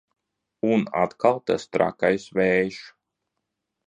Un atkal tas trakais vējš!